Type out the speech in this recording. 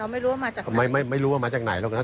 ไม่รู้ว่ามาจากไหนไม่รู้ว่ามาจากไหนหรอกครับ